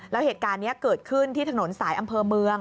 แล้วเหตุการณ์นี้เกิดขึ้นที่ถนนสายอำเภอเมือง